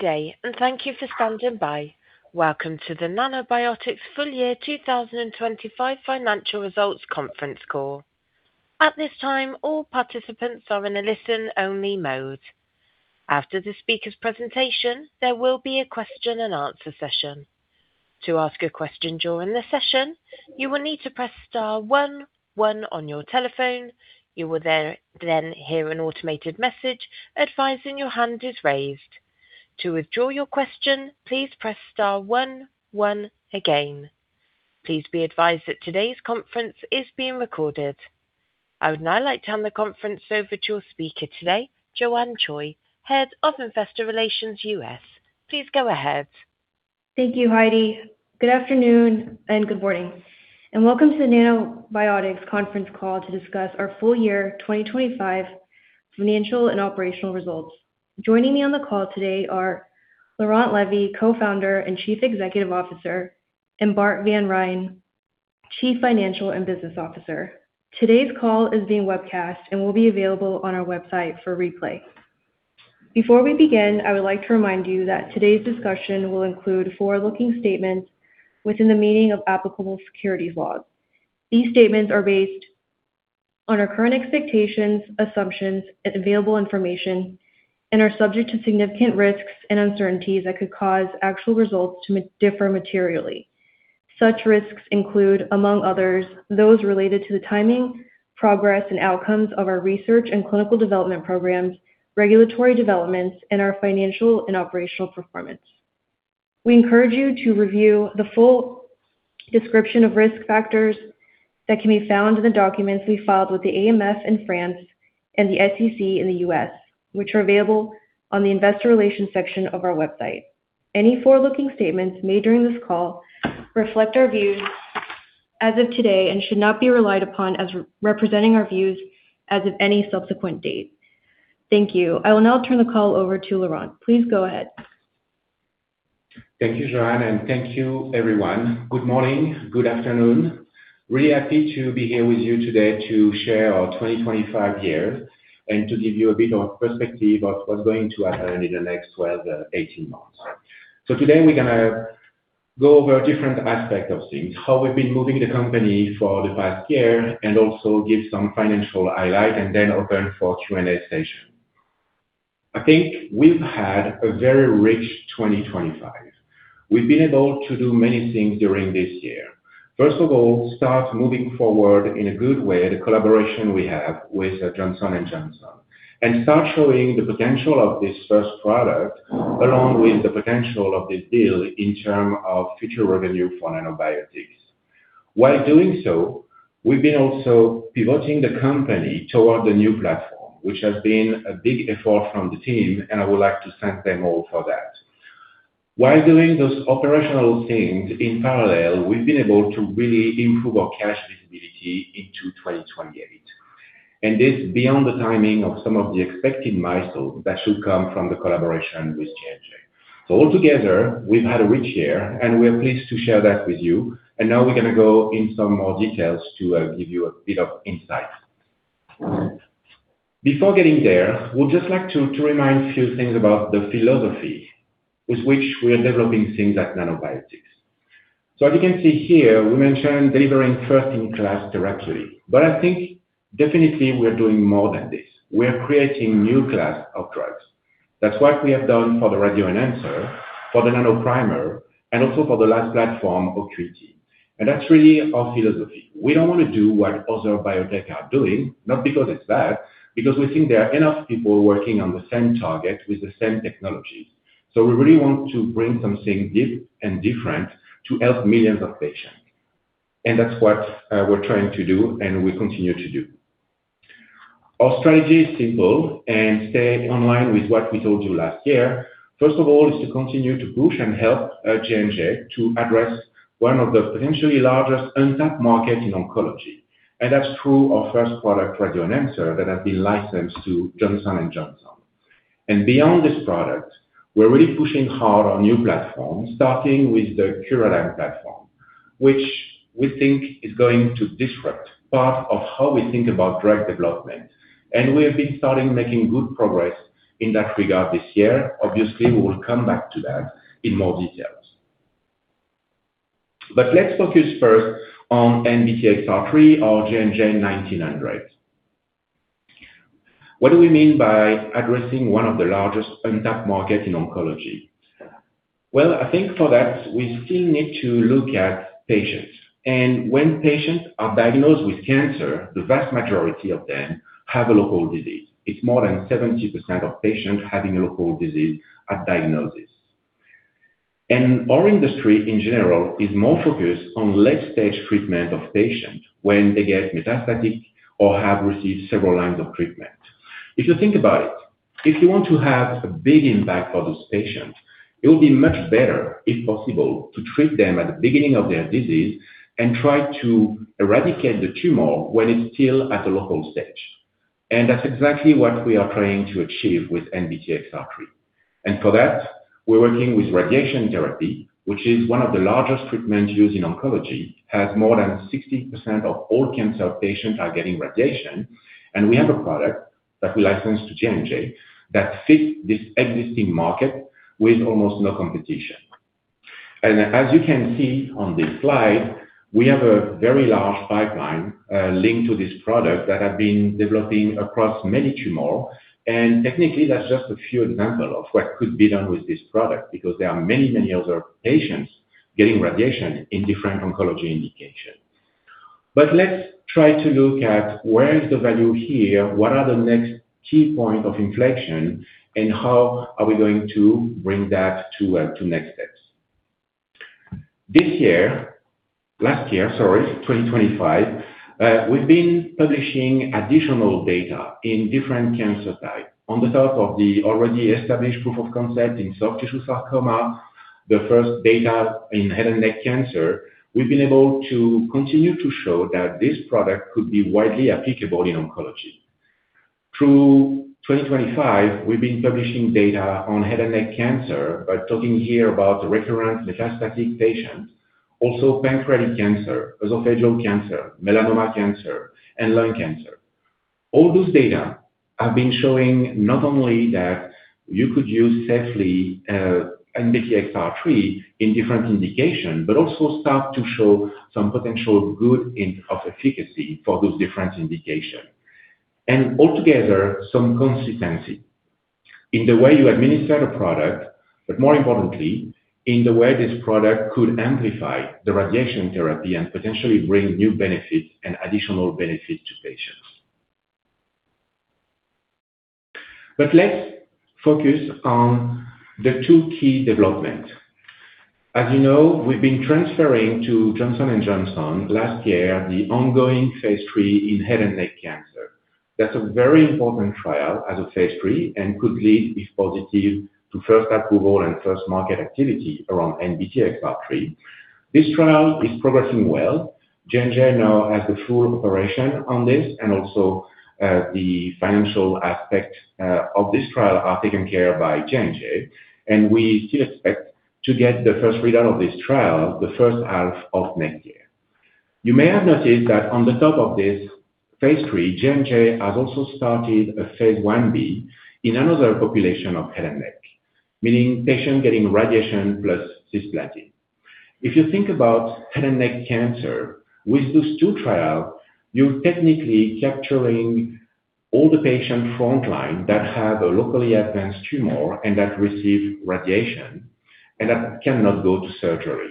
Good day, and thank you for standing by. Welcome to the Nanobiotix full year 2025 financial results conference call. At this time, all participants are in a listen-only mode. After the speaker's presentation, there will be a question and answer session. To ask a question during the session, you will need to press star one one on your telephone. You will then hear an automated message advising your hand is raised. To withdraw your question, please press star one one again. Please be advised that today's conference is being recorded. I would now like to turn the conference over to your speaker today, Joanne Choi, Head of Investor Relations, U.S. Please go ahead. Thank you, Heidi. Good afternoon and good morning, and welcome to the Nanobiotix conference call to discuss our full year 2025 financial and operational results. Joining me on the call today are Laurent Levy, Co-founder and Chief Executive Officer, and Bart Van Rhijn, Chief Financial and Business Officer. Today's call is being webcast and will be available on our website for replay. Before we begin, I would like to remind you that today's discussion will include forward-looking statements within the meaning of applicable securities laws. These statements are based on our current expectations, assumptions, and available information and are subject to significant risks and uncertainties that could cause actual results to differ materially. Such risks include, among others, those related to the timing, progress, and outcomes of our research and clinical development programs, regulatory developments, and our financial and operational performance. We encourage you to review the full description of risk factors that can be found in the documents we filed with the AMF in France and the SEC in the U.S., which are available on the investor relations section of our website. Any forward-looking statements made during this call reflect our views as of today and should not be relied upon as representing our views as of any subsequent date. Thank you. I will now turn the call over to Laurent. Please go ahead. Thank you, Joanne, and thank you, everyone. Good morning, good afternoon. Really happy to be here with you today to share our 2025 year and to give you a bit of perspective of what's going to happen in the next 12 to 18 months. Today we're gonna go over different aspects of things, how we've been moving the company for the past year and also give some financial highlights and then open for Q&A session. I think we've had a very rich 2025. We've been able to do many things during this year. First of all, start moving forward in a good way, the collaboration we have with Johnson & Johnson, and start showing the potential of this first product along with the potential of this deal in terms of future revenue for Nanobiotix. While doing so, we've been also pivoting the company toward the new platform, which has been a big effort from the team, and I would like to thank them all for that. While doing those operational things in parallel, we've been able to really improve our cash visibility into 2028, and this beyond the timing of some of the expected milestones that should come from the collaboration with J&J. All together, we've had a rich year, and we're pleased to share that with you. Now we're going to go in some more details to give you a bit of insight. Before getting there, we'd just like to remind few things about the philosophy with which we are developing things at Nanobiotix. As you can see here, we mentioned delivering first-in-class directly. I think definitely we are doing more than this. We are creating new class of drugs. That's what we have done for the radioenhancer, for the Nanoprimer, and also for the last platform, OOcuity. That's really our philosophy. We don't want to do what other biotechs are doing, not because it's bad, because we think there are enough people working on the same target with the same technology. We really want to bring something deep and different to help millions of patients. That's what we're trying to do and we continue to do. Our strategy is simple and in line with what we told you last year. First of all is to continue to push and help J&J to address one of the potentially largest untapped market in oncology. That's through our first product, radioenhancer, that have been licensed to Johnson & Johnson. Beyond this product, we're really pushing hard on new platforms, starting with the Curadigm platform, which we think is going to disrupt part of how we think about drug development. We have been starting to make good progress in that regard this year. Obviously, we will come back to that in more detail. Let's focus first on NBTXR3 or JNJ-1900. What do we mean by addressing one of the largest untapped market in oncology? Well, I think for that, we still need to look at patients. When patients are diagnosed with cancer, the vast majority of them have a local disease. It's more than 70% of patients having a local disease at diagnosis. Our industry in general is more focused on late-stage treatment of patients when they get metastatic or have received several lines of treatment. If you think about it, if you want to have a big impact for those patients, it will be much better, if possible, to treat them at the beginning of their disease and try to eradicate the tumor when it's still at a local stage. That's exactly what we are trying to achieve with NBTXR3. For that, we're working with radiation therapy, which is one of the largest treatments used in oncology. More than 60% of all cancer patients are getting radiation, and we have a product that we licensed to J&J that fits this existing market with almost no competition. You can see on this slide, we have a very large pipeline linked to this product that have been developing across many tumor. Technically, that's just a few examples of what could be done with this product because there are many, many other patients getting radiation in different oncology indications. But let's try to look at where is the value here. What are the next key points of inflection. And how are we going to bring that to next steps. 2025, we've been publishing additional data in different cancer types. On top of the already established proof of concept in soft tissue sarcoma, the first data in head and neck cancer, we've been able to continue to show that this product could be widely applicable in oncology. Through 2025, we've been publishing data on head and neck cancer by talking here about the recurrent metastatic patients, also pancreatic cancer, esophageal cancer, melanoma cancer, and lung cancer. All those data have been showing not only that you could use safely NBTXR3 in different indications, but also start to show some potential indication of efficacy for those different indications. Altogether, some consistency in the way you administer the product, but more importantly, in the way this product could amplify the radiation therapy and potentially bring new benefits and additional benefit to patients. Let's focus on the two key developments. As you know, we've been transferring to Johnson & Johnson last year the ongoing phase III in head and neck cancer. That's a very important trial as a phase III and could lead, if positive, to first approval and first market activity around NBTXR3. This trial is progressing well. J&J now has the full operation on this, and also, the financial aspect of this trial is taken care of by J&J. We still expect to get the first readout of this trial the first half of next year. You may have noticed that on the top of this phase III, J&J has also started a phase I-B in another population of head and neck. Meaning patients getting radiation plus cisplatin. If you think about head and neck cancer, with those two trials, you're technically capturing all the patients frontline that have a locally advanced tumor and that receive radiation and that cannot go to surgery.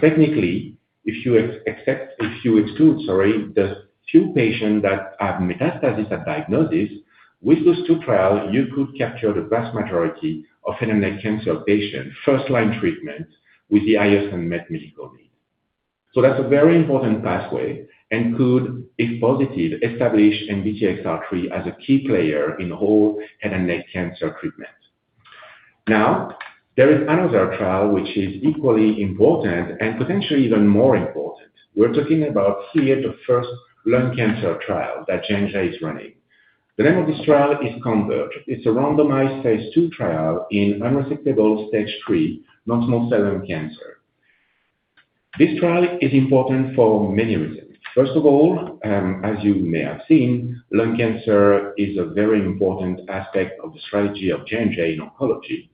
Technically, if you exclude, sorry, the few patients that have metastasis at diagnosis, with those two trials, you could capture the vast majority of head and neck cancer patients first line treatment with the highest unmet medical need. That's a very important pathway and could, if positive, establish NBTXR3 as a key player in the whole head and neck cancer treatment. Now, there is another trial which is equally important and potentially even more important. We're talking about here the first lung cancer trial that J&J is running. The name of this trial is CONVERGE. It's a randomized phase II trial in unresectable stage III non-small cell lung cancer. This trial is important for many reasons. First of all, as you may have seen, lung cancer is a very important aspect of the strategy of J&J in oncology.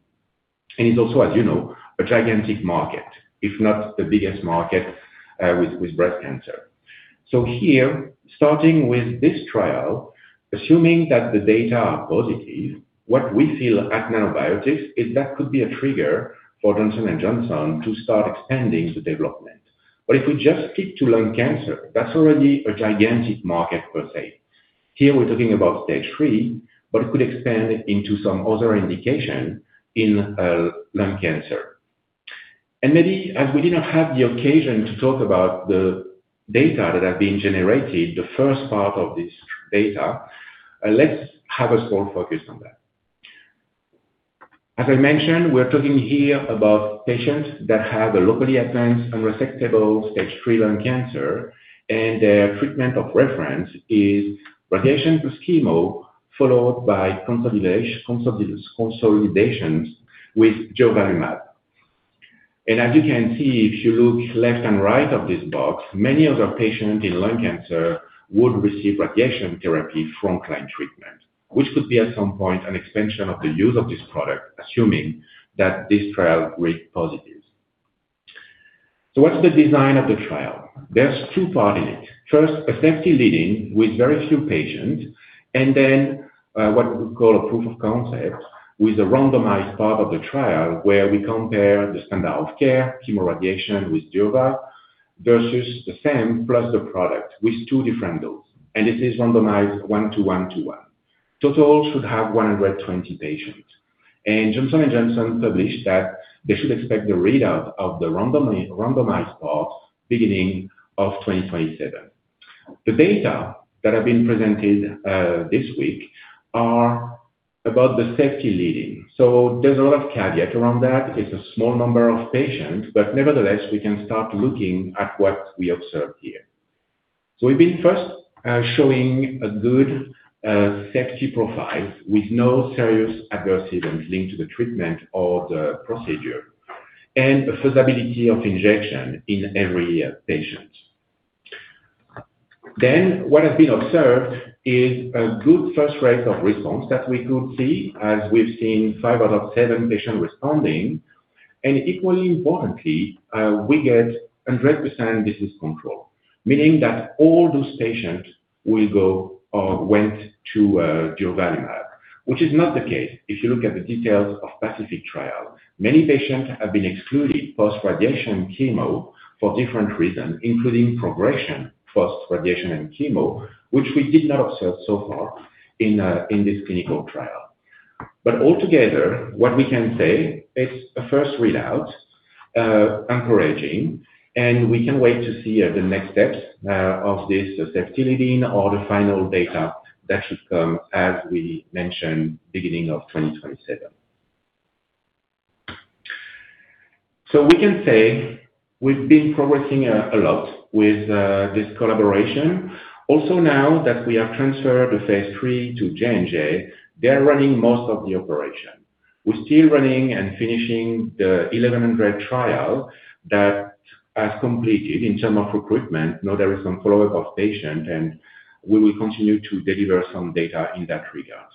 It's also, as you know, a gigantic market, if not the biggest market, with breast cancer. Here, starting with this trial, assuming that the data are positive, what we feel at Nanobiotix is that it could be a trigger for Johnson & Johnson to start expanding the development. If we just stick to lung cancer, that's already a gigantic market per se. Here we're talking about stage three, but it could expand into some other indication in lung cancer. Maybe as we did not have the occasion to talk about the data that have been generated, the first part of this data, let's have a small focus on that. As I mentioned, we're talking here about patients that have a locally advanced unresectable stage three lung cancer, and their treatment of reference is radiation plus chemo, followed by consolidation with durvalumab. As you can see, if you look left and right of this box, many other patients in lung cancer would receive radiation therapy frontline treatment, which could be at some point an expansion of the use of this product, assuming that this trial reads positive. What's the design of the trial? There's two part in it. First, a safety leading with very few patients, and then, what we call a proof of concept with a randomized part of the trial where we compare the standard of care, chemoradiation with durvalumab, versus the same plus the product with two different dose. This is randomized one to one to one. Total should have 120 patients. Johnson & Johnson published that they should expect the readout of the randomized part beginning of 2027. The data that have been presented this week are about the safety lead-in. There's a lot of caveat around that. It's a small number of patients, but nevertheless, we can start looking at what we observed here. We've been first showing a good safety profile with no serious adverse events linked to the treatment or the procedure, and a feasibility of injection in every patient. What has been observed is a good first rate of response that we could see as we've seen five out of seven patients responding. Equally importantly, we get 100% disease control, meaning that all those patients will go or went to durvalumab. Which is not the case if you look at the details of PACIFIC trial. Many patients have been excluded post radiation chemo for different reasons, including progression, post radiation and chemo, which we did not observe so far in this clinical trial. Altogether, what we can say, it's a first readout, encouraging, and we can't wait to see the next steps of this safety lead-in or the final data that should come, as we mentioned, beginning of 2027. We can say we've been progressing a lot with this collaboration. Now that we have transferred the phase III to J&J, they are running most of the operation. We're still running and finishing the 1100 trial that has completed in terms of recruitment. Now there is some follow-up of patient, and we will continue to deliver some data in that regard.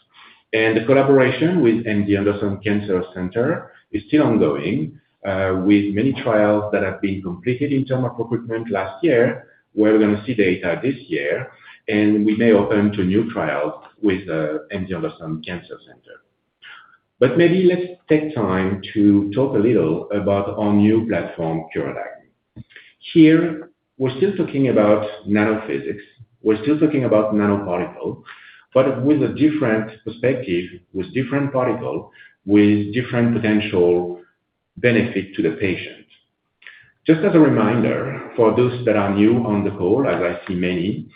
The collaboration with MD Anderson Cancer Center is still ongoing, with many trials that have been completed in terms of recruitment last year. We're gonna see data this year, and we may open to new trials with MD Anderson Cancer Center. Maybe let's take time to talk a little about our new platform, Curadigm. Here, we're still talking about nanophysics. We're still talking about nanoparticle, but with a different perspective, with different particle, with different potential benefit to the patient. Just as a reminder for those that are new on the call, as I see many,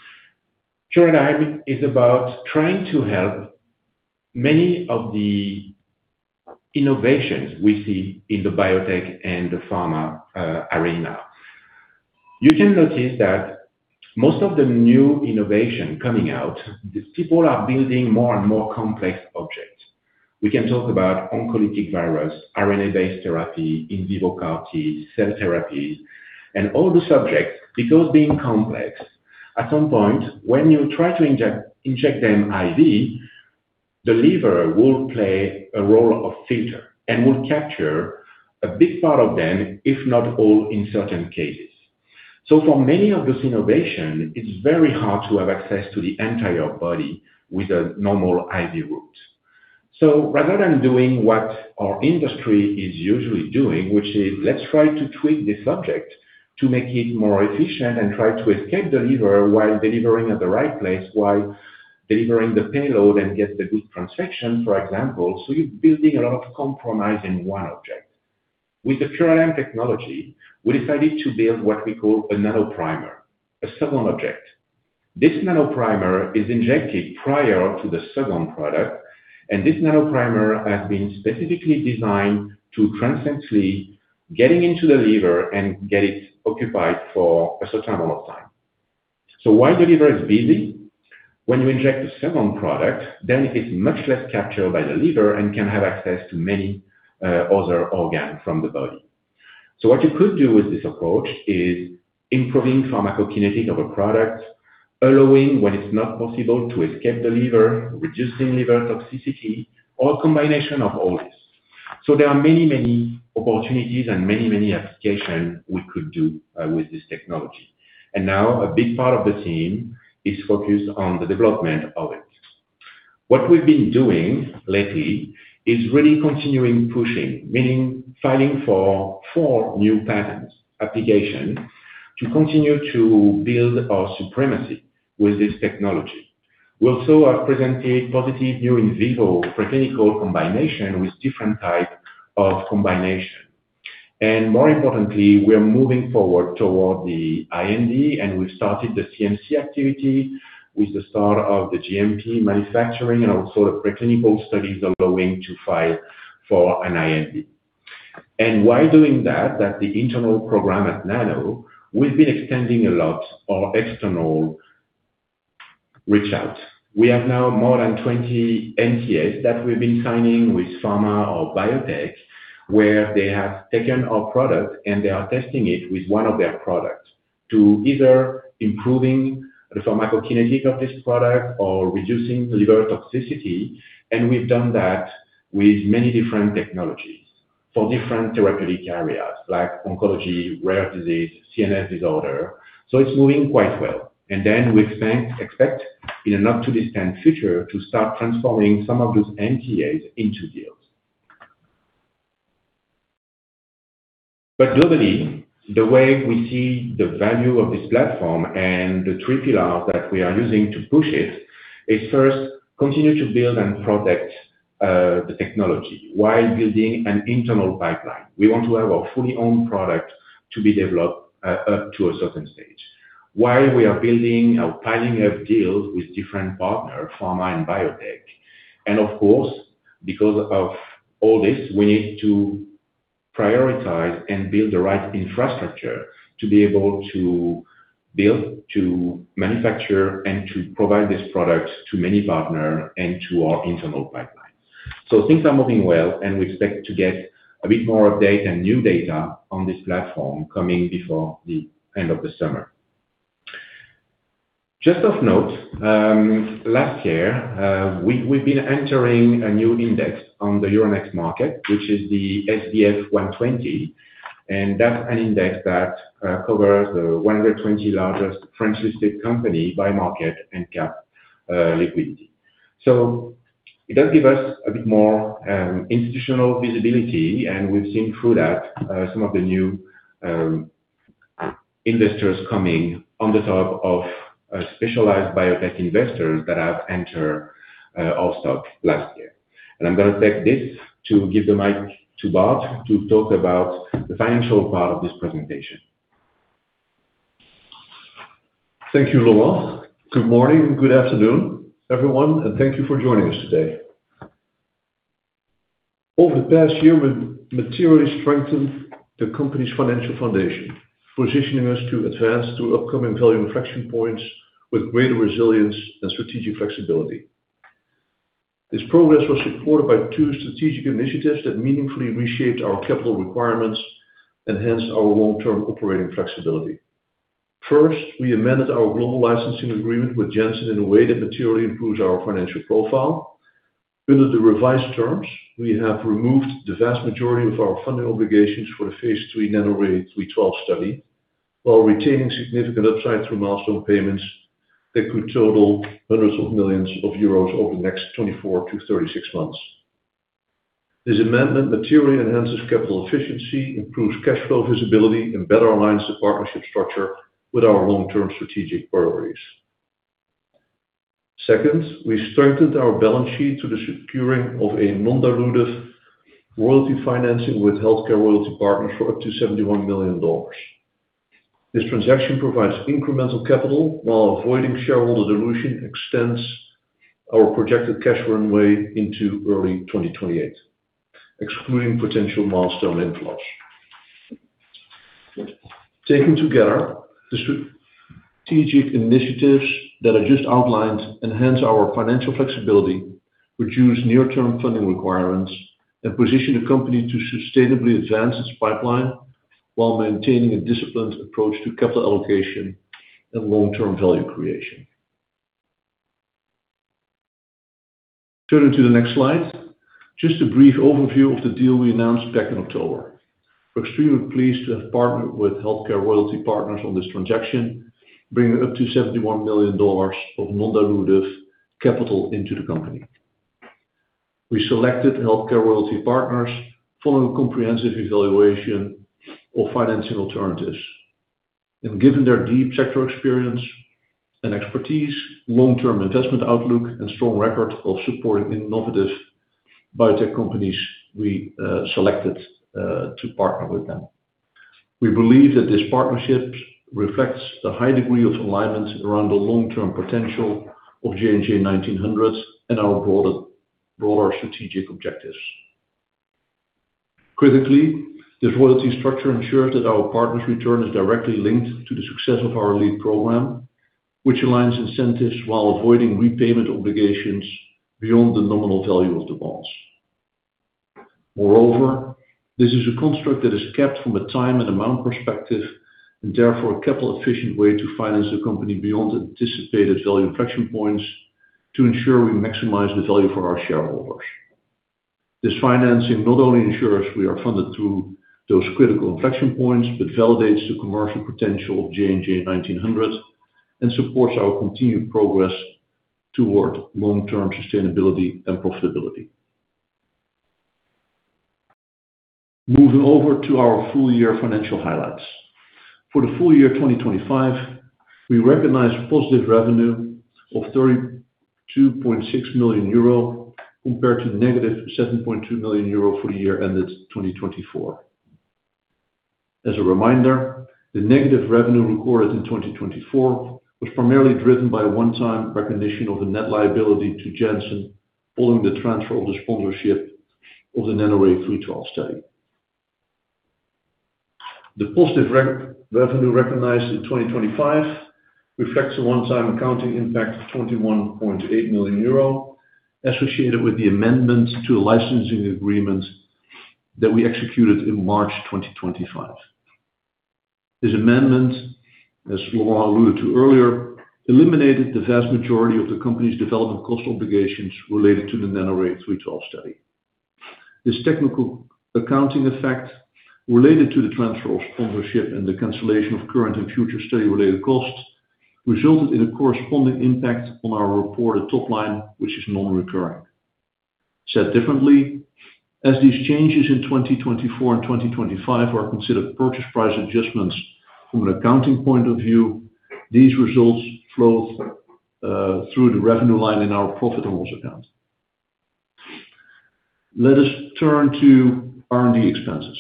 Curadigm is about trying to help many of the innovations we see in the biotech and the pharma arena. You can notice that most of the new innovation coming out is people are building more and more complex objects. We can talk about oncolytic virus, RNA-based therapy, in vivo CAR-T, cell therapies, and all the subjects, because being complex, at some point, when you try to inject them IV, the liver will play a role of filter and will capture a big part of them, if not all in certain cases. For many of those innovation, it's very hard to have access to the entire body with a normal IV route. Rather than doing what our industry is usually doing, which is let's try to tweak this subject to make it more efficient and try to escape the liver while delivering at the right place, while delivering the payload and get the good transfection, for example. You're building a lot of compromise in one object. With the Curadigm technology, we decided to build what we call a Nanoprimer, a second object. This Nanoprimer is injected prior to the second product, and this Nanoprimer has been specifically designed to transiently get into the liver and get it occupied for a certain amount of time. While the liver is busy, when you inject the second product, then it is much less captured by the liver and can have access to many other organs of the body. What you could do with this approach is improving pharmacokinetics of a product, allowing when it's not possible to escape the liver, reducing liver toxicity, or combination of all this. There are many, many opportunities and many, many applications we could do with this technology. Now a big part of the team is focused on the development of it. What we've been doing lately is really continuing pushing, meaning filing for four new patents application to continue to build our supremacy with this technology. We also have presented positive new in vivo preclinical combination with different type of combination. More importantly, we are moving forward toward the IND, and we've started the CMC activity with the start of the GMP manufacturing and also the preclinical studies allowing to file for an IND. While doing that the internal program at Nano, we've been extending a lot our external reach out. We have now more than 20 MTAs that we've been signing with pharma or biotech, where they have taken our product and they are testing it with one of their product to either improving the pharmacokinetic of this product or reducing the liver toxicity. We've done that with many different technologies for different therapeutic areas like oncology, rare disease, CNS disorder. It's moving quite well. Then we think, expect in a not-too-distant future to start transforming some of those MTAs into deals. Globally, the way we see the value of this platform and the three pillars that we are using to push it is first, continue to build and protect, the technology while building an internal pipeline. We want to have our fully own product to be developed up to a certain stage while we are building or planning of deals with different partner, pharma and biotech. Of course, because of all this, we need to prioritize and build the right infrastructure to be able to build, to manufacture, and to provide this product to many partners and to our internal pipeline. Things are moving well, and we expect to get a bit more data and new data on this platform coming before the end of the summer. Just of note, last year, we've been entering a new index on the Euronext market, which is the SBF 120, and that's an index that covers the 120 largest French-listed companies by market cap, liquidity. It does give us a bit more institutional visibility, and we've seen through that some of the new investors coming on top of specialized biotech investors that have entered our stock last year. I'm gonna take this to give the mic to Bart to talk about the financial part of this presentation. Thank you, Laurent. Good morning, good afternoon, everyone, and thank you for joining us today. Over the past year, we've materially strengthened the company's financial foundation, positioning us to advance to upcoming value inflection points with greater resilience and strategic flexibility. This progress was supported by two strategic initiatives that meaningfully reshaped our capital requirements and hence our long-term operating flexibility. First, we amended our global licensing agreement with Janssen in a way that materially improves our financial profile. Under the revised terms, we have removed the vast majority of our funding obligations for the phase III NANORAY-312 study, while retaining significant upside through milestone payments that could total hundreds of millions euro's over the next 24-36 months. This amendment materially enhances capital efficiency, improves cash flow visibility, and better aligns the partnership structure with our long-term strategic priorities. Second, we strengthened our balance sheet through the securing of a non-dilutive royalty financing with Healthcare Royalty Partners for up to $71 million. This transaction provides incremental capital while avoiding shareholder dilution, extends our projected cash runway into early 2028, excluding potential milestone inflows. Taken together the strategic initiatives that I just outlined enhance our financial flexibility, reduce near-term funding requirements, and position the company to sustainably advance its pipeline while maintaining a disciplined approach to capital allocation and long-term value creation. Turning to the next slide, just a brief overview of the deal we announced back in October. We're extremely pleased to have partnered with Healthcare Royalty Partners on this transaction, bringing up to $71 million of non-dilutive capital into the company. We selected HealthCare Royalty Partners following a comprehensive evaluation of financing alternatives, and given their deep sector experience and expertise, long-term investment outlook, and strong record of supporting innovative biotech companies, to partner with them. We believe that this partnership reflects the high degree of alignment around the long-term potential of JNJ-1900 and our broader strategic objectives. Critically, this royalty structure ensures that our partner's return is directly linked to the success of our lead program, which aligns incentives while avoiding repayment obligations beyond the nominal value of the bonds. Moreover, this is a construct that is capped from a time and amount perspective, and therefore a capital-efficient way to finance the company beyond anticipated value inflection points to ensure we maximize the value for our shareholders. This financing not only ensures we are funded through those critical inflection points, but validates the commercial potential of JNJ-1900 and supports our continued progress toward long-term sustainability and profitability. Moving over to our full year financial highlights. For the full year 2025, we recognized positive revenue of 32.6 million euro compared to -7.2 million euro for the year ended 2024. As a reminder, the negative revenue recorded in 2024 was primarily driven by a one-time recognition of the net liability to Janssen following the transfer of the sponsorship of the NANORAY-312 study. The positive revenue recognized in 2025 reflects a one-time accounting impact of 21.8 million euro associated with the amendment to a licensing agreement that we executed in March 2025. This amendment, as Laurent alluded to earlier, eliminated the vast majority of the company's development cost obligations related to the NANORAY-312 study. This technical accounting effect related to the transfer of sponsorship and the cancellation of current and future study-related costs resulted in a corresponding impact on our reported top line, which is non-recurring. Said differently, as these changes in 2024 and 2025 are considered purchase price adjustments from an accounting point of view, these results flow through the revenue line in our profit and loss account. Let us turn to R&D expenses.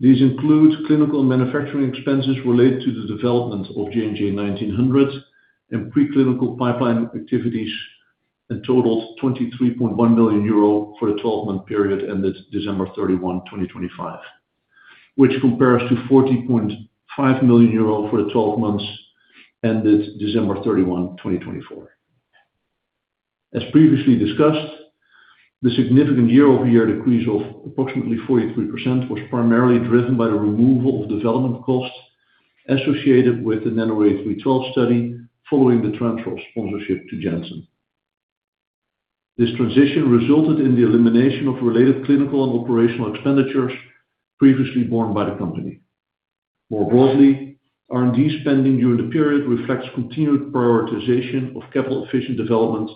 These include clinical and manufacturing expenses related to the development of JNJ-1900 and pre-clinical pipeline activities, and totaled 23.1 million euro for the 12 month period ended December 31, 2025. Which compares to 40.5 million euro for the 12 months ended December 31, 2024. As previously discussed, the significant year-over-year decrease of approximately 43% was primarily driven by the removal of development costs associated with the NANORAY-312 study following the transfer of sponsorship to Janssen. This transition resulted in the elimination of related clinical and operational expenditures previously borne by the company. More broadly, R&D spending during the period reflects continued prioritization of capital-efficient development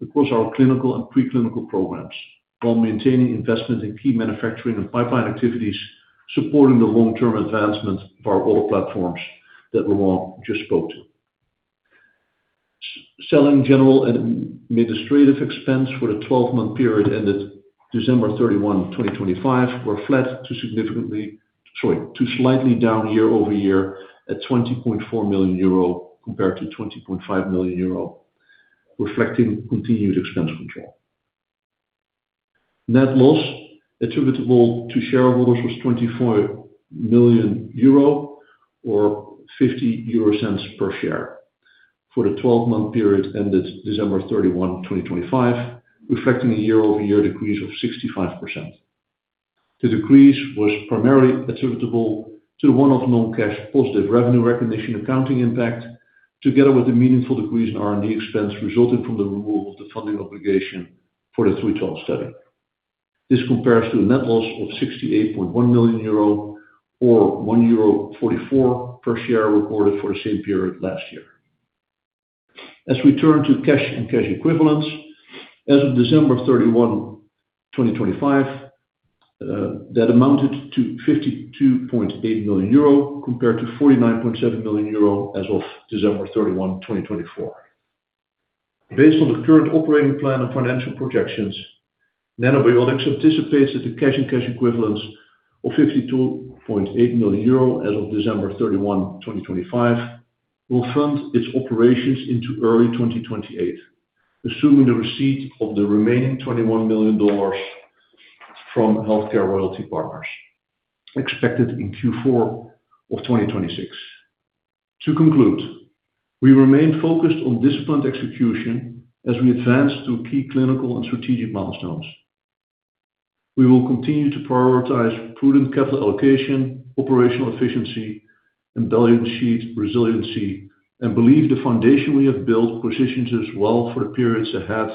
across our clinical and pre-clinical programs, while maintaining investment in key manufacturing and pipeline activities supporting the long-term advancement of our auto platforms that Laurent just spoke to. Selling general and administrative expense for the 12-month period ended December 31, 2025 were flat to slightly down year over year at 20.4 million euro compared to 20.5 million euro, reflecting continued expense control. Net loss attributable to shareholders was 24 million euro or 0.50 per share for the 12 month period ended December 31, 2025, reflecting a year-over-year decrease of 65%. The decrease was primarily attributable to one-off non-cash positive revenue recognition accounting impact, together with a meaningful decrease in R&D expense resulting from the removal of the funding obligation for the 312 study. This compares to a net loss of 68.1 million euro or 1.44 euro per share recorded for the same period last year. As we turn to cash and cash equivalents, as of December 31, 2025, that amounted to 52.8 million euro compared to 49.7 million euro as of December 31, 2024. Based on the current operating plan and financial projections, Nanobiotix anticipates that the cash and cash equivalents of 52.8 million euro as of December 31, 2025 will fund its operations into early 2028, assuming the receipt of the remaining $21 million from Healthcare Royalty Partners, expected in Q4 of 2026. To conclude, we remain focused on disciplined execution as we advance to key clinical and strategic milestones. We will continue to prioritize prudent capital allocation, operational efficiency, and balance sheet resiliency, and believe the foundation we have built positions us well for the periods ahead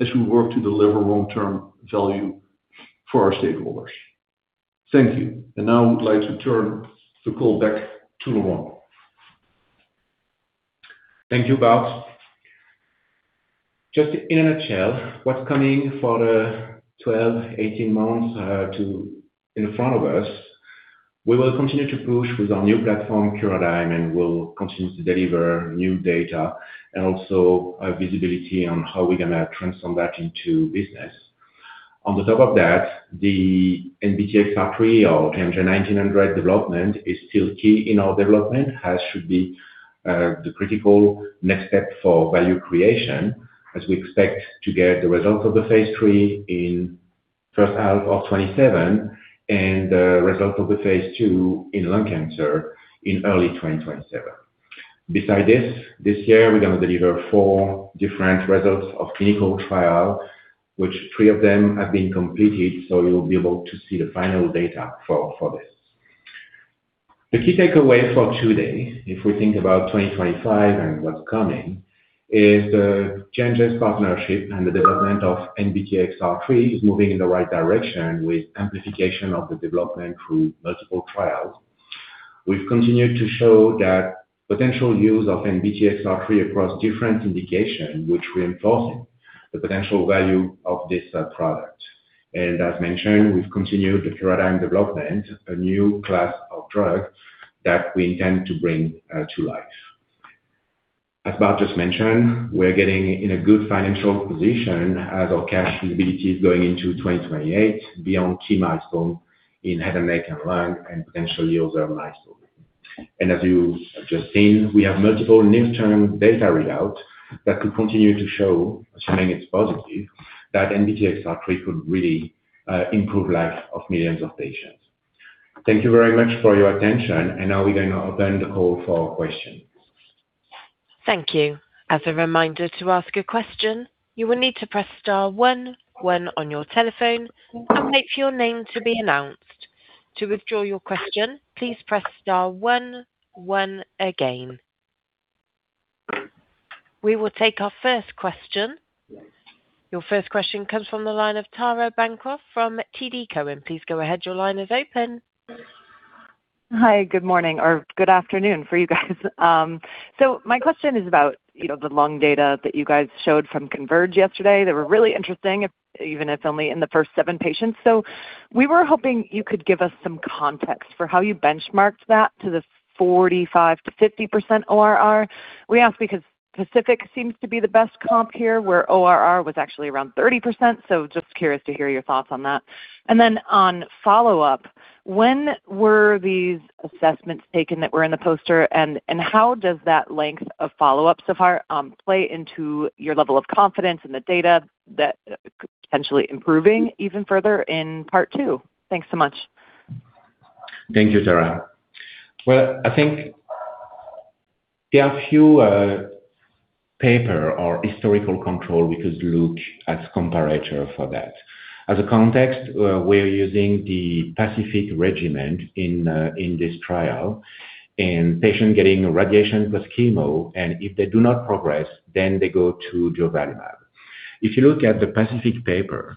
as we work to deliver long-term value for our stakeholders. Thank you. Now I would like to turn the call back to Laurent. Thank you, Bart. Just in a nutshell, what's coming for the 12-18 months in front of us, we will continue to push with our new platform, Curadigm, and we'll continue to deliver new data and also visibility on how we're gonna transform that into business. On top of that, the NBTXR3 or JNJ-1900 development is still key in our development, as should be the critical next step for value creation as we expect to get the result of the phase III in first half of 2027 and the result of the phase II in lung cancer in early 2027. Beside this year, we're gonna deliver four different results of clinical trial, which three of them have been completed, so you'll be able to see the final data for this. The key takeaway for today, if we think about 2025 and what's coming, is the changes, partnership, and the development of NBTXR3 is moving in the right direction with amplification of the development through multiple trials. We've continued to show that potential use of NBTXR3 across different indication, which reinforcing the potential value of this, product. As mentioned, we've continued the Curadigm development, a new class of drug that we intend to bring, to life. As Bart just mentioned, we're getting in a good financial position as our cash visibility is going into 2028 beyond key milestone in head and neck and lung and potentially other milestone. As you have just seen, we have multiple near-term data readout that could continue to show, assuming it's positive, that NBTXR3 could really, improve life of millions of patients. Thank you very much for your attention. Now we're going to open the call for questions. Thank you. As a reminder, to ask a question, you will need to press star one one on your telephone and wait for your name to be announced. To withdraw your question, please press star one one again. We will take our first question. Your first question comes from the line of Tara Bancroft from TD Cowen. Please go ahead. Your line is open. Hi. Good morning or good afternoon for you guys. My question is about, you know, the lung data that you guys showed from CONVERGE yesterday that were really interesting, even if only in the first seven patients. We were hoping you could give us some context for how you benchmarked that to the 45%-50% ORR. We ask because PACIFIC seems to be the best comp here, where ORR was actually around 30%, so just curious to hear your thoughts on that. Then on follow-up, when were these assessments taken that were in the poster, and how does that length of follow-up so far play into your level of confidence in the data that could potentially improving even further in part two? Thanks so much. Thank you, Tara. Well, I think there are a few papers or historical controls we could look at as comparator for that. As a context, we're using the PACIFIC regimen in this trial and patients getting radiation plus chemo, and if they do not progress, then they go to durvalumab. If you look at the PACIFIC paper,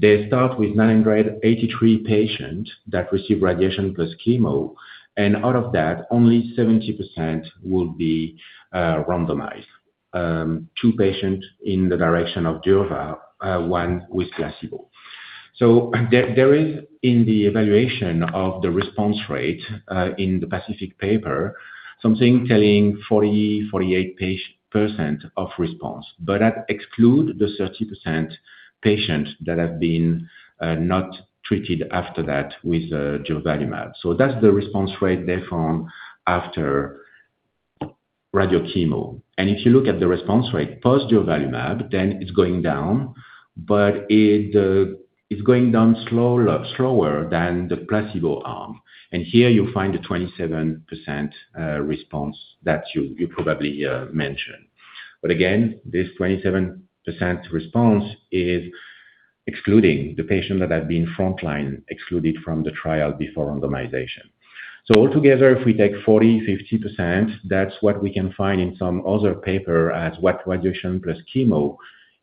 they start with 983 patients that receive radiation plus chemo, and out of that, only 70% will be randomized two patients in the direction of durvalumab, one with placebo. There is in the evaluation of the response rate in the PACIFIC paper, something telling 48% of response. But that excludes the 30% patients that have been not treated after that with durvalumab. That's the response rate from there after radio chemo. If you look at the response rate post durvalumab, then it's going down, but it's going down slower than the placebo arm. Here you'll find the 27% response that you probably mentioned. Again, this 27% response is excluding the patients that have been frontline excluded from the trial before randomization. Altogether, if we take 40%-50%, that's what we can find in some other paper as what radiation plus chemo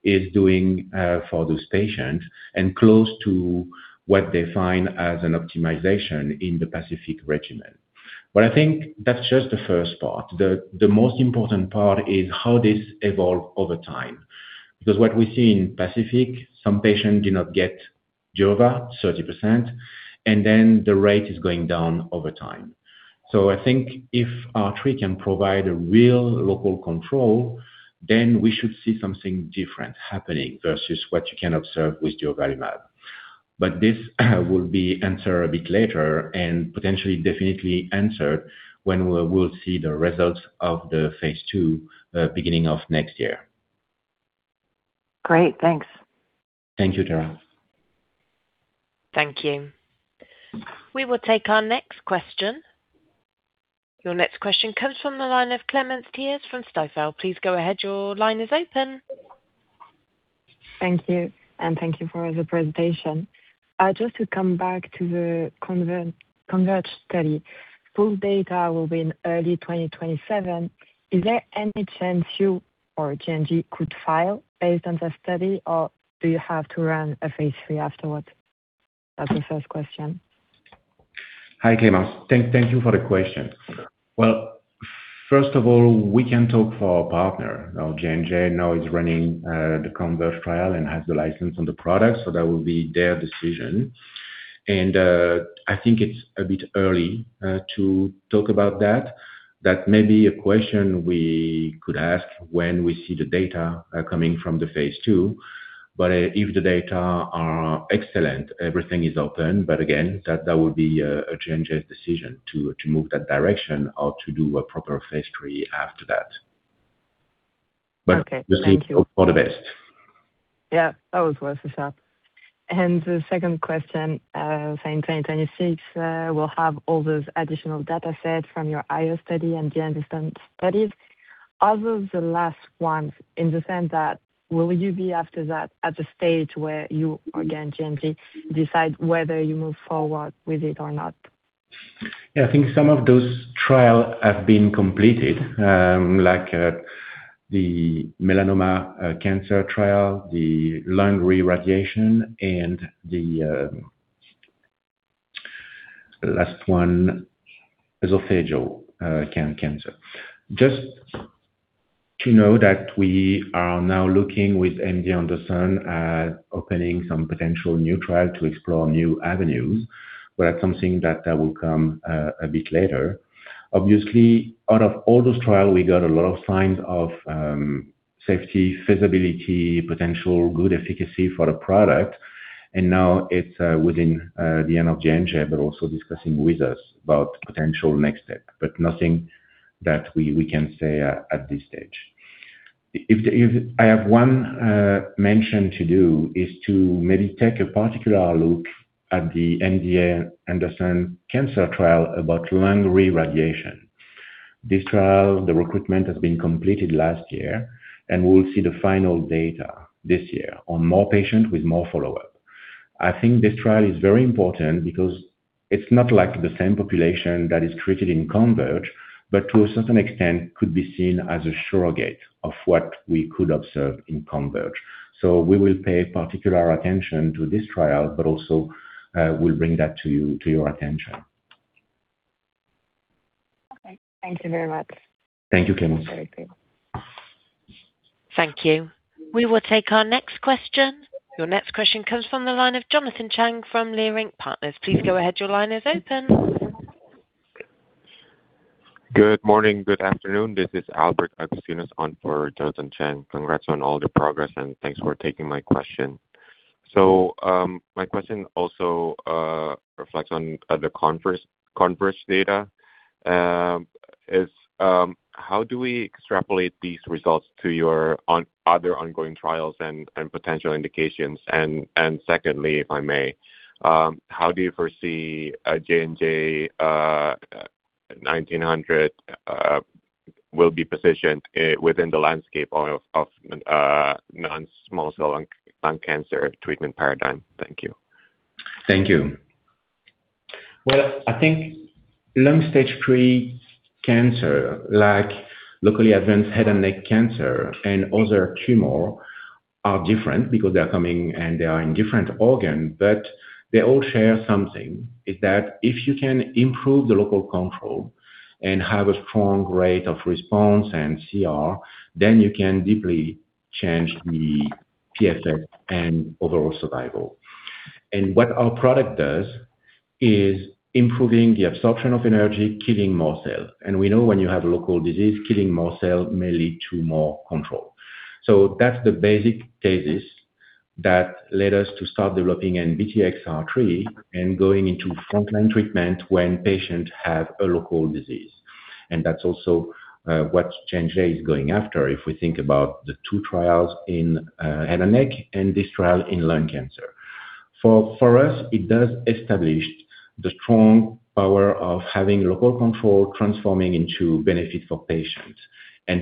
is doing for those patients and close to what they find as an optimization in the PACIFIC regimen. I think that's just the first part. The most important part is how this evolves over time. What we see in PACIFIC, some patients do not get duva, 30%, and then the rate is going down over time. I think if R3 can provide a real local control, then we should see something different happening versus what you can observe with durvalumab. This will be answered a bit later and potentially definitely answered when we will see the results of the phase II, beginning of next year. Great. Thanks. Thank you, Tara. Thank you. We will take our next question. Your next question comes from the line of Clémence Thiers from Stifel. Please go ahead. Your line is open. Thank you. Thank you for the presentation. Just to come back to the CONVERGE study. Full data will be in early 2027. Is there any chance you or J&J could file based on the study, or do you have to run a phase III afterwards? That's the first question. Hi, Clémence. Thank you for the question. Well, first of all, we can talk to our partner. Now J&J is running the CONVERGE trial and has the license for the product, so that will be their decision. I think it's a bit early to talk about that. That may be a question we could ask when we see the data coming from the phase II. If the data are excellent, everything is open. Again, that would be a J&J's decision to move that direction or to do a proper phase III after that. Okay. Thank you. We think all the best. Yeah. That was worth a shot. The second question, so in 2026, we'll have all those additional data sets from your IO study and the MD Anderson studies. Are those the last ones in the sense that will you be after that at the stage where you or again J&J decide whether you move forward with it or not? Yeah. I think some of those trials have been completed, like, the melanoma cancer trial, the lung re-radiation and the last one, esophageal cancer. Just to know that we are now looking with MD Anderson at opening some potential new trial to explore new avenues. That's something that will come a bit later. Obviously, out of all those trials, we got a lot of signs of safety, feasibility, potential good efficacy for the product. Now it's within the hands of J&J, but also discussing with us about potential next step. Nothing that we can say at this stage. I have one mention to do, is to maybe take a particular look at the MD Anderson cancer trial about lung re-radiation. This trial, the recruitment has been completed last year, and we'll see the final data this year on more patients with more follow-up. I think this trial is very important because it's not like the same population that is treated in CONVERGE, but to a certain extent could be seen as a surrogate of what we could observe in CONVERGE. We will pay particular attention to this trial, but also, we'll bring that to you, to your attention. Okay. Thank you very much. Thank you, Clémence. Thank you. Thank you. We will take our next question. Your next question comes from the line of Jonathan Chang from Leerink Partners. Please go ahead. Your line is open. Good morning, good afternoon. This is Albert Agustinus on for Jonathan Chang. Congrats on all the progress, and thanks for taking my question. My question also reflects on the CONVERGE data. How do we extrapolate these results to your other ongoing trials and potential indications? Secondly, if I may, how do you foresee JNJ-1900 will be positioned within the landscape of non-small cell lung cancer treatment paradigm. Thank you. Thank you. Well, I think lung Stage 3 cancer, like locally advanced head and neck cancer and other tumors are different because they're coming and they are in different organ. They all share something, is that if you can improve the local control and have a strong rate of response and CR, then you can deeply change the PFS and overall survival. What our product does is improving the absorption of energy, killing more cells. We know when you have a local disease, killing more cells may lead to more control. That's the basic thesis that led us to start developing NBTXR3 and going into frontline treatment when patients have a local disease. That's also what J&J is going after. If we think about the two trials in head and neck and this trial in lung cancer. For us, it does establish the strong power of having local control transforming into benefit for patients.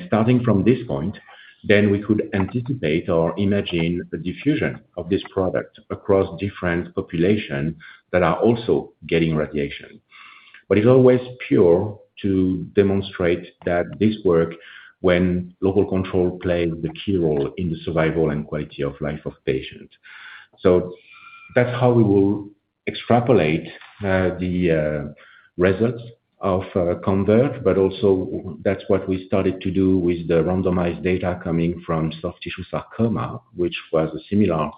Starting from this point, then we could anticipate or imagine the diffusion of this product across different populations that are also getting radiation. It's always crucial to demonstrate that this works when local control plays the key role in the survival and quality of life of patients. That's how we will extrapolate the results of CONVERGE, but also that's what we started to do with the randomized data coming from soft tissue sarcoma, which was a similar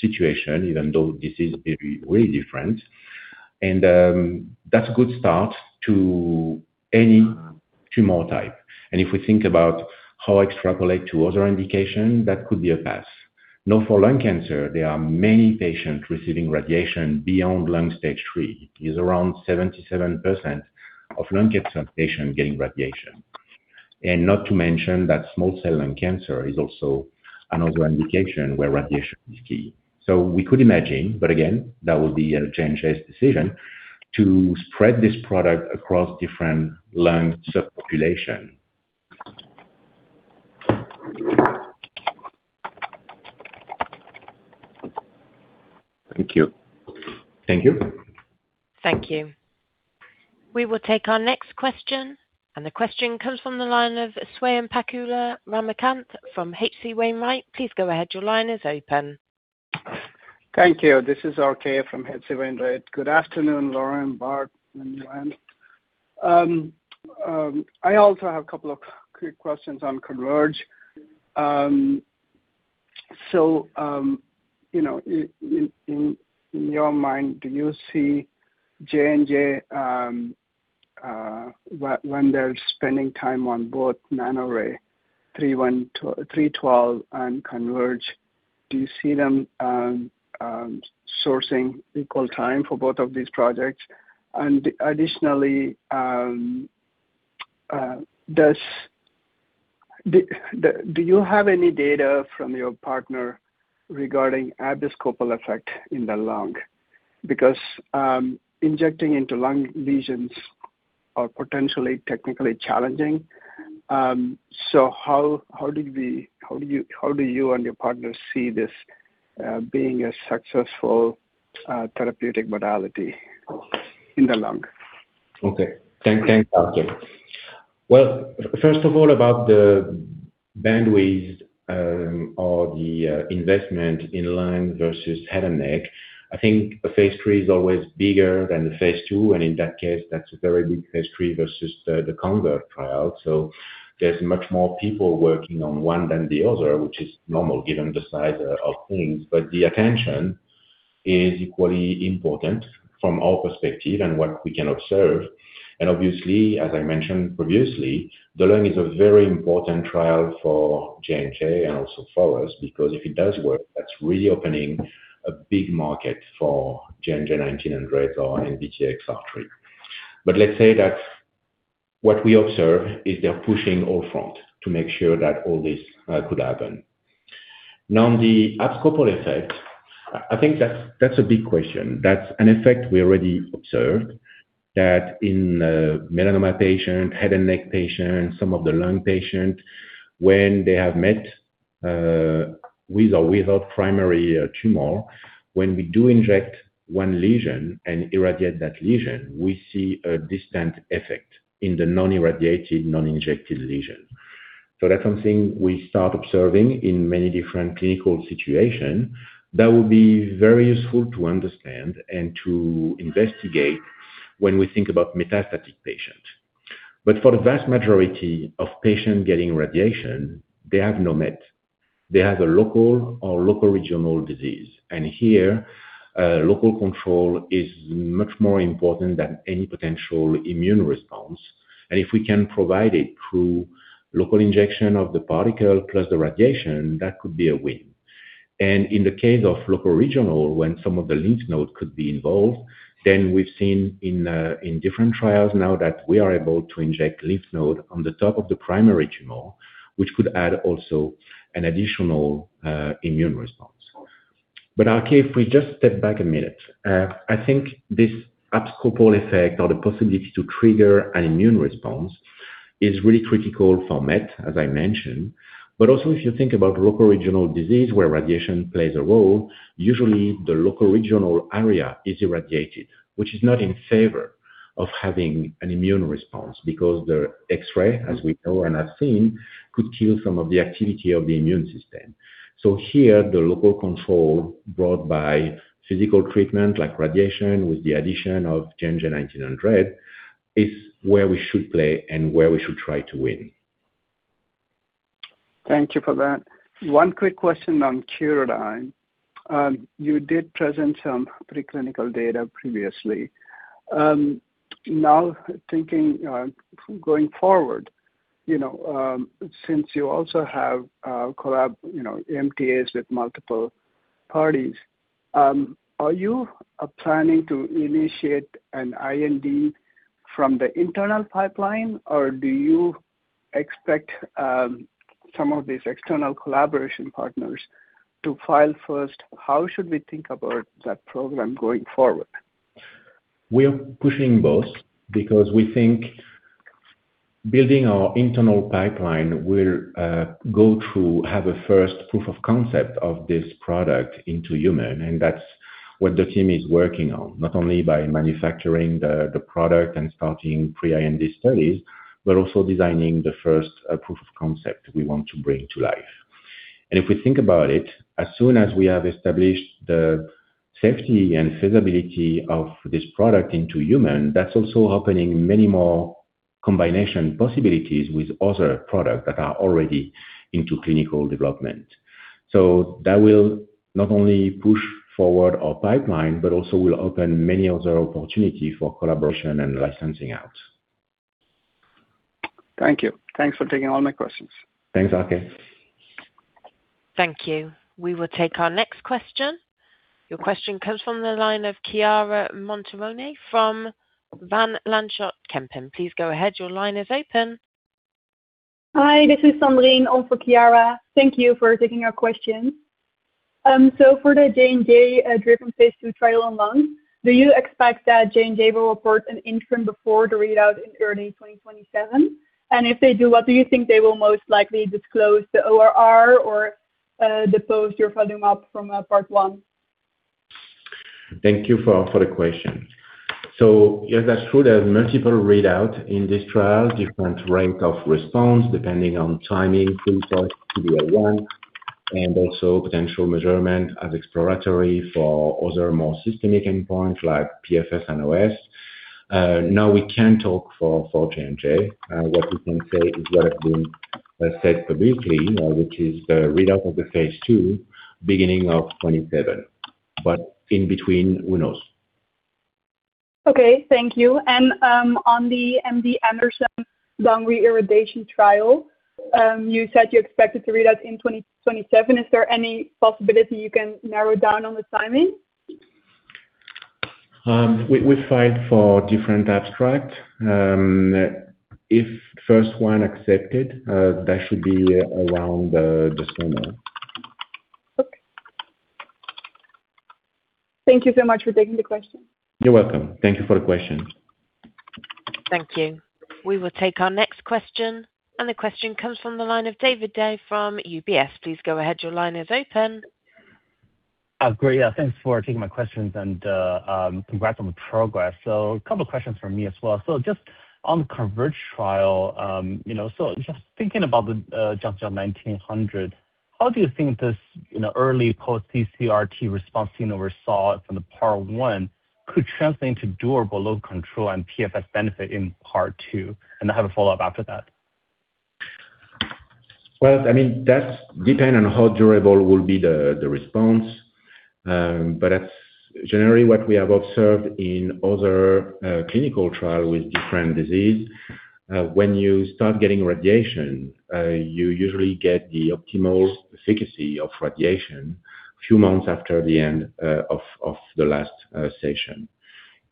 situation, even though this is very different. That's a good start to any tumor type. If we think about how to extrapolate to other indications, that could be a path. Now for lung cancer, there are many patients receiving radiation beyond lung Stage 3. It's around 77% of lung cancer patients getting radiation. Not to mention that small cell lung cancer is also another indication where radiation is key. We could imagine, but again, that will be change this decision to spread this product across different lung subpopulation. Thank you. Thank you. Thank you. We will take our next question, and the question comes from the line of Swayampakula Ramakanth from H.C. Wainwright. Please go ahead. Your line is open. Thank you. This is RK from H.C. Wainwright. Good afternoon, Laurent, Bart, and Joanne. I also have a couple of quick questions on CONVERGE. So, you know, in your mind, do you see J&J, when they're spending time on both NANORAY-312 and CONVERGE, do you see them sourcing equal time for both of these projects? And additionally, do you have any data from your partner regarding abscopal effect in the lung? Because injecting into lung lesions are potentially technically challenging. So how do you and your partners see this being a successful therapeutic modality in the lung? Thanks. Well, first of all, about the bandwidth, or the investment in lung versus head and neck. I think a phase III is always bigger than the phase II, and in that case, that's a very big phase III versus the CONVERGE trial. So there's much more people working on one than the other, which is normal given the size of things. The attention is equally important from our perspective and what we can observe. Obviously, as I mentioned previously, the lung is a very important trial for J&J and also for us, because if it does work, that's really opening a big market for JNJ-1900 or NBTXR3. Let's say that what we observe is they're pushing on all fronts to make sure that all this could happen. Now on the abscopal effect, I think that's a big question. That's an effect we already observed in melanoma patient, head and neck patient, some of the lung patient, when they have met with or without primary tumor. When we do inject one lesion and irradiate that lesion. We see a distant effect in the non-irradiated, non-injected lesion. That's something we start observing in many different clinical situation that will be very useful to understand and to investigate when we think about metastatic patient. For the vast majority of patients getting radiation, they have no met. They have a local or local regional disease. Here, local control is much more important than any potential immune response. If we can provide it through local injection of the particle plus the radiation, that could be a win. In the case of loco-regional, when some of the lymph node could be involved, then we've seen in different trials now that we are able to inject lymph node on the top of the primary tumor, which could add also an additional immune response. RK, if we just step back a minute. I think this abscopal effect or the possibility to trigger an immune response is really critical for MET, as I mentioned. Also if you think about loco-regional disease where radiation plays a role, usually the loco-regional area is irradiated. Which is not in favor of having an immune response because the X-ray, as we know and have seen, could kill some of the activity of the immune system. Here the local control brought by physical treatment like radiation with the addition of JNJ-1900 is where we should play and where we should try to win. Thank you for that. One quick question on Curadigm. You did present some preclinical data previously. Now thinking, going forward, you know, since you also have a collab, you know, MTAs with multiple parties, are you planning to initiate an IND from the internal pipeline or do you expect some of these external collaboration partners to file first? How should we think about that program going forward? We are pushing both because we think building our internal pipeline will have a first proof of concept of this product into human, and that's what the team is working on. Not only by manufacturing the product and starting pre-IND studies, but also designing the first proof of concept we want to bring to life. If we think about it, as soon as we have established the safety and feasibility of this product into human, that's also opening many more combination possibilities with other products that are already into clinical development. That will not only push forward our pipeline, but also will open many other opportunity for collaboration and licensing out. Thank you. Thanks for taking all my questions. Thanks, RK. Thank you. We will take our next question. Your question comes from the line of Chiara Montironi from Van Lanschot Kempen. Please go ahead. Your line is open. Hi, this is Sandrine on for Chiara. Thank you for taking our question. So for the J&J driven phase II trial on lung, do you expect that J&J will report an interim before the readout in early 2027? If they do, what do you think they will most likely disclose the ORR or, the post durvalumab from, part one? Thank you for the question. Yes, that's true. There are multiple readouts in this trial. Different range of response depending on timing, PD-1, and also potential measurements as exploratory for other more systemic endpoints like PFS and OS. Now we can talk for J&J. What we can say is what has been said previously, which is the readout of the phase II, beginning of 2027. In between, who knows. Okay. Thank you. On the MD Anderson lung re-irradiation trial. You said you expected to read out in 2027. Is there any possibility you can narrow down on the timing? We filed for different abstract. If first one accepted, that should be around December. Okay. Thank you so much for taking the question. You're welcome. Thank you for the question. Thank you. We will take our next question, and the question comes from the line of David Dai from UBS. Please go ahead. Your line is open. Great. Yeah, thanks for taking my questions and, congrats on the progress. A couple questions from me as well. Just on the CONVERGE trial. You know, so just thinking about the JNJ-1900, how do you think this, you know, early post-CCRT response seen over SAW from part one could translate into durable local control and PFS benefit in part two? I have a follow-up after that. Well, I mean that's depend on how durable will be the response. But that's generally what we have observed in other clinical trial with different disease. When you start getting radiation, you usually get the optimal efficacy of radiation a few months after the end of the last session.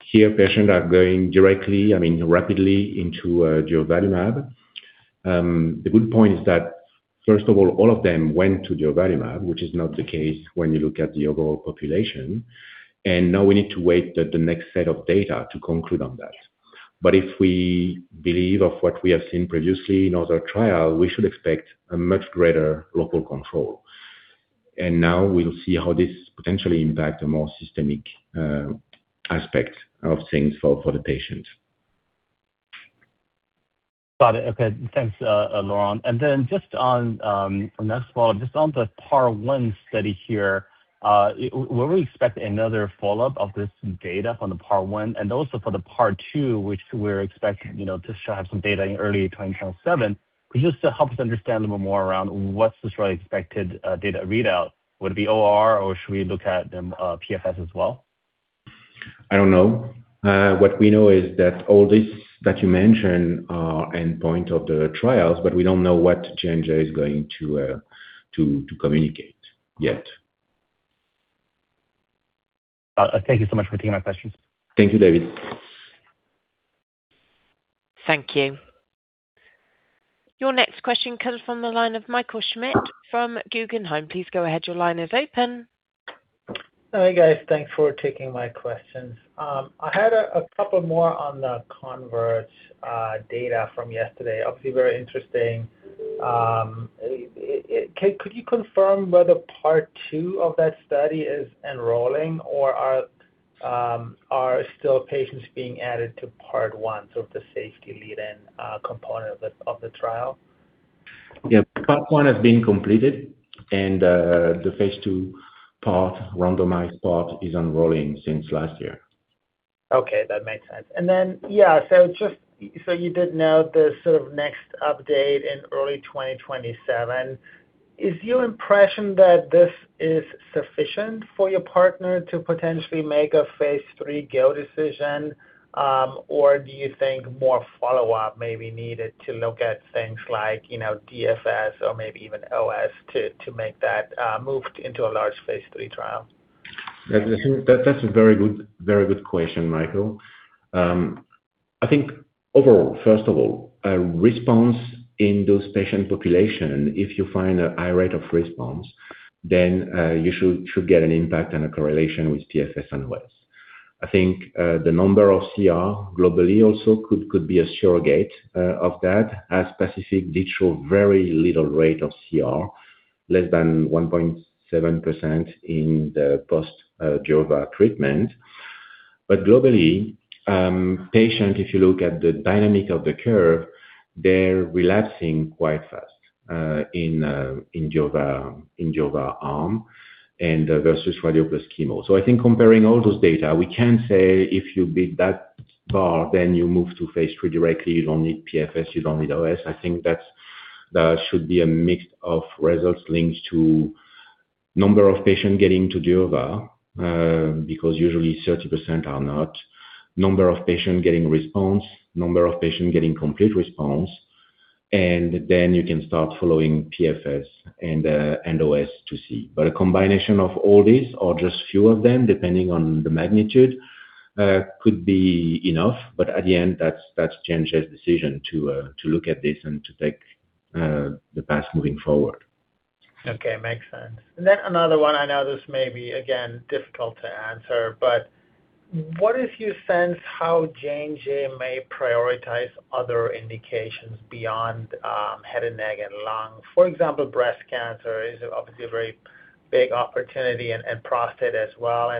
Here patients are going directly, I mean, rapidly into durvalumab. The good point is that first of all of them went to durvalumab, which is not the case when you look at the overall population. Now we need to wait the next set of data to conclude on that. If we believe of what we have seen previously in other trial, we should expect a much greater local control. Now we'll see how this potentially impact a more systemic aspect of things for the patient. Got it. Okay. Thanks, Laurent. Just on the next follow-up. Just on the part one study here, would we expect another follow-up of this data from the part one and also for the part two, which we're expecting, you know, to have some data in early 2027. Could you just help us understand a little more around what's the sort of expected data readout? Would it be OR or should we look at PFS as well? I don't know. What we know is that all this that you mentioned are endpoint of the trials, but we don't know what J&J is going to communicate yet. Thank you so much for taking my questions. Thank you, David. Thank you. Your next question comes from the line of Michael Schmidt from Guggenheim. Please go ahead. Your line is open. Hi guys. Thanks for taking my questions. I had a couple more on the CONVERGE data from yesterday. Obviously, very interesting. Could you confirm whether part two of that study is enrolling or are still patients being added to part one, so the safety lead in component of the trial? Yeah. Part one has been completed and the phase II part, randomized part is enrolling since last year. Okay. That makes sense. Yeah, just so you know the sort of next update in early 2027. Is your impression that this is sufficient for your partner to potentially make a phase III go decision? Or do you think more follow-up may be needed to look at things like, you know, DFS or maybe even OS to make that move into a large phase III trial? That's a very good question, Michael. I think overall, first of all, a response in those patient population, if you find a high rate of response, then you should get an impact and a correlation with PFS and OS. I think the number of CR globally also could be a surrogate of that as expected did show very little rate of CR, less than 1.7% in the post-[Jovarm] treatment. Globally, patient, if you look at the dynamic of the curve, they're relapsing quite fast in [Jovarm] versus radio plus chemo. I think comparing all those data, we can say if you beat that bar then you move to phase III directly. You don't need PFS. You don't need OS. I think that should be a mix of results linked to number of patients getting to [Jovarm], because usually 30% are not. Number of patients getting response, number of patients getting complete response, and then you can start following PFS and OS to see. A combination of all these or just few of them, depending on the magnitude, could be enough. At the end, that's J&J's decision to look at this and to take the path moving forward. Okay. Makes sense. Then another one. I know this may be, again, difficult to answer, but what is your sense how J&J may prioritize other indications beyond, head and neck and lung? For example, breast cancer is obviously a very big opportunity and prostate as well.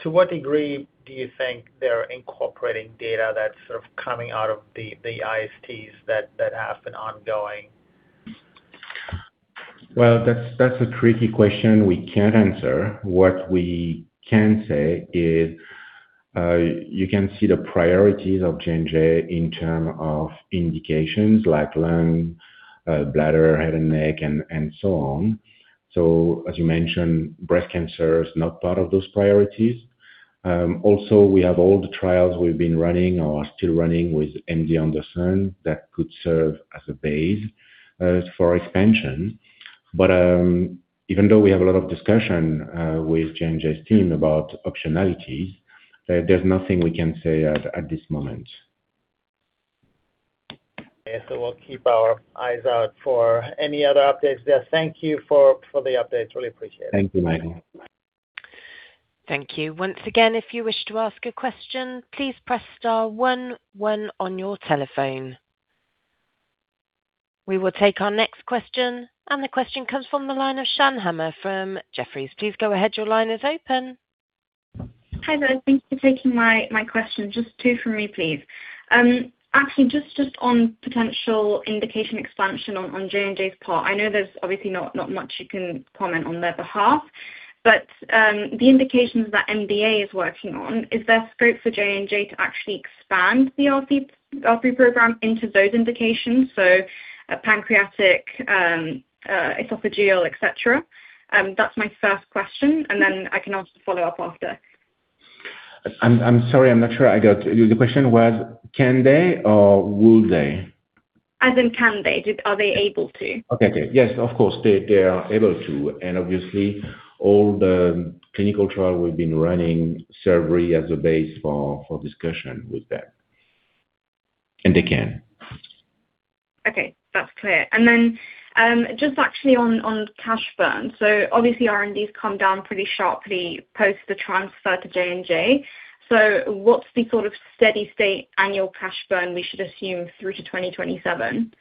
To what degree do you think they're incorporating data that's sort of coming out of the ISTs that have been ongoing? Well, that's a tricky question we can't answer. What we can say is, you can see the priorities of J&J in terms of indications like lung, bladder, head and neck, and so on. As you mentioned, breast cancer is not part of those priorities. Also we have all the trials we've been running or are still running with MD Anderson that could serve as a base for expansion. Even though we have a lot of discussion with J&J's team about optionalities, there's nothing we can say at this moment. Okay. We'll keep our eyes out for any other updates there. Thank you for the update. Really appreciate it. Thank you, Michael. Thank you. Once again, if you wish to ask a question, please press star one one on your telephone. We will take our next question, and the question comes from the line of Shan Hama from Jefferies. Please go ahead. Your line is open. Hi there. Thank you for taking my question. Just two from me, please. Actually just on potential indication expansion on J&J's part. I know there's obviously not much you can comment on their behalf, but the indications that MDA is working on, is there scope for J&J to actually expand the RP program into those indications, so a pancreatic, esophageal, et cetera? That's my first question. Then I can ask a follow-up after. I'm sorry. I'm not sure I got. The question was can they or will they? As in, can they? Just, are they able to? Okay. Yes, of course, they are able to. Obviously all the clinical trial we've been running serve really as a base for discussion with them. They can. Okay. That's clear. Just actually on cash burn. Obviously R&D's come down pretty sharply post the transfer to J&J. What's the sort of steady state annual cash burn we should assume through to 2027?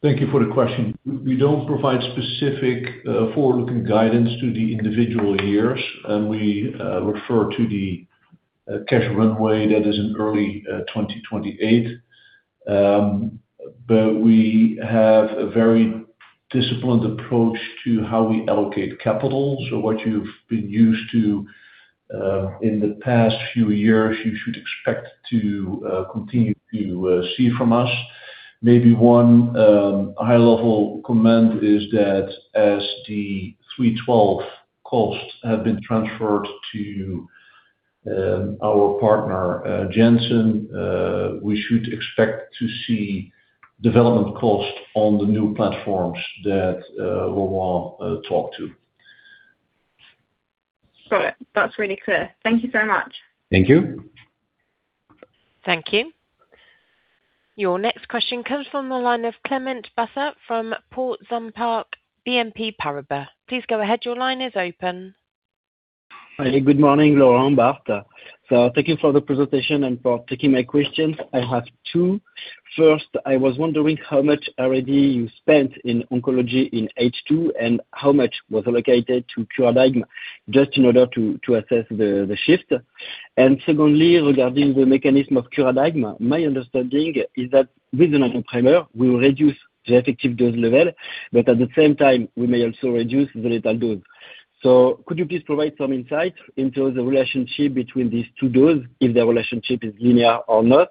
Thank you for the question. We don't provide specific forward-looking guidance to the individual years, and we refer to the cash runway that is in early 2028. We have a very disciplined approach to how we allocate capital. What you've been used to in the past few years, you should expect to continue to see from us. Maybe one high level comment is that as the 312 costs have been transferred to our partner Janssen, we should expect to see development costs on the new platforms that Laurent talked to. Sure. That's really clear. Thank you so much. Thank you. Thank you. Your next question comes from the line of Clément Bassat from Portzamparc BNP Paribas. Please go ahead. Your line is open. Hi. Good morning, Laurent, Bart. Thank you for the presentation and for taking my questions. I have two. First, I was wondering how much R&D you spent in oncology in H2, and how much was allocated to Curadigm just in order to assess the shift. Secondly, regarding the mechanism of Curadigm, my understanding is that with the Nanoprimer, we will reduce the effective dose level, but at the same time we may also reduce the lethal dose. Could you please provide some insight into the relationship between these two dose, if the relationship is linear or not,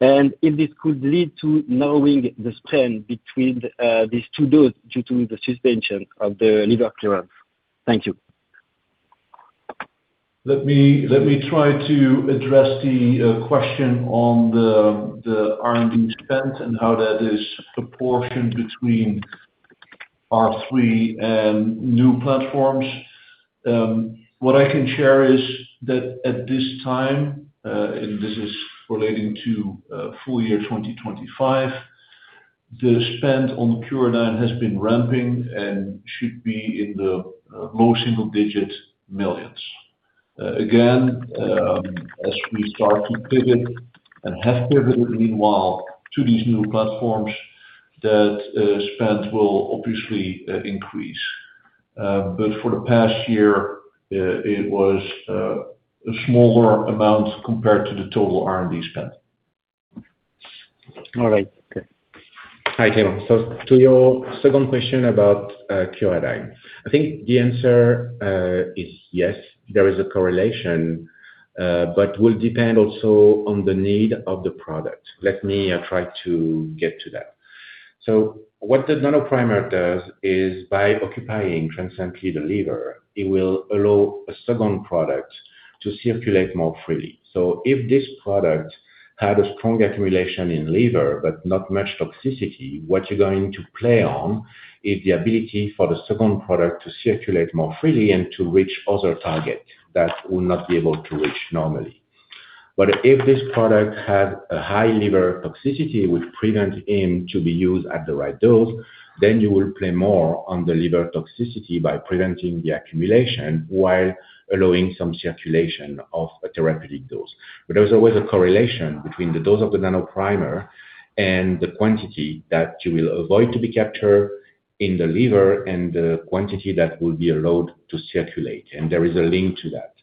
and if this could lead to narrowing the span between these two dose due to the suspension of the liver clearance. Thank you. Let me try to address the question on the R&D spend and how that is proportioned between our three new platforms. What I can share is that at this time, and this is relating to full year 2025, the spend on the Curadigm has been ramping and should be in the low single-digit millions. Again, as we start to pivot and have pivoted meanwhile to these new platforms that spend will obviously increase. But for the past year, it was a smaller amount compared to the total R&D spend. All right. Okay. Hi, Clément. To your second question about Curadigm, I think the answer is yes, there is a correlation, but will depend also on the need of the product. Let me try to get to that. What the Nanoprimer does is by occupying transiently the liver, it will allow a second product to circulate more freely. If this product had a strong accumulation in liver, but not much toxicity, what you're going to play on is the ability for the second product to circulate more freely and to reach other target that will not be able to reach normally. But if this product had a high liver toxicity, which prevent him to be used at the right dose, then you will play more on the liver toxicity by preventing the accumulation while allowing some circulation of a therapeutic dose. There's always a correlation between the dose of the Nanoprimer and the quantity that you will avoid to be captured in the liver and the quantity that will be allowed to circulate. There is a link to that.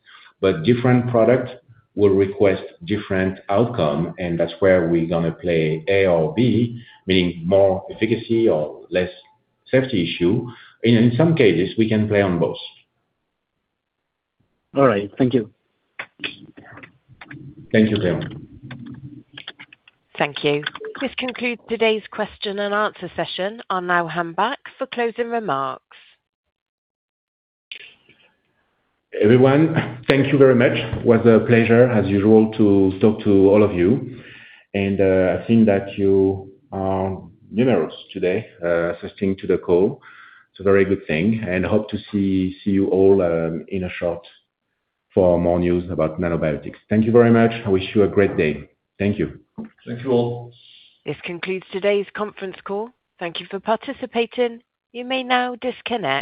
Different product will request different outcome, and that's where we're gonna play A or B. Meaning more efficacy or less safety issue. In some cases, we can play on both. All right. Thank you. Thank you, Clément. Thank you. This concludes today's question and answer session. I'll now hand back for closing remarks. Everyone, thank you very much. It was a pleasure, as usual, to talk to all of you. I think that you are numerous today, listening to the call. It's a very good thing, and I hope to see you all shortly for more news about Nanobiotix. Thank you very much. I wish you a great day. Thank you. Thank you all. This concludes today's conference call. Thank you for participating. You may now disconnect.